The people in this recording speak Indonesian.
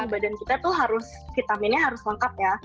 badan kita tuh harus vitaminnya harus lengkap ya